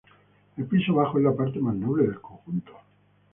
El piso bajo es la parte más noble del conjunto.